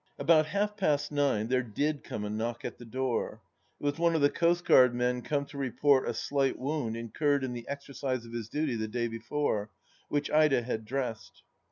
... About half past nine there did come a knock at the door. It was one of the coastguard men come to report a slight wound incurred in the exercise of his duty the day before, which Ida had dressed.